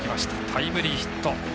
タイムリーヒット。